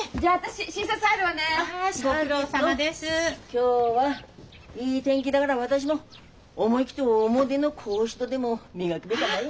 今日はいい天気だから私も思い切って表の格子戸でも磨くべかない。